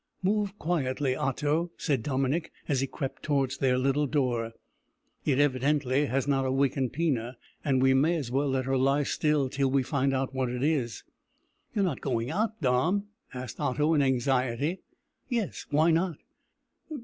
"Move quietly, Otto," said Dominick, as he crept towards their little door, "it evidently has not awaked Pina, and we may as well let her lie still till we find out what it is." "You're not going out, Dom?" asked Otto, in anxiety. "Yes, why not?"